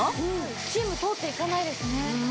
スチーム通っていかないですね。